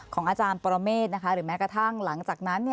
อาจารย์ปรเมฆหรือแม้กระทั่งหลังจากนั้น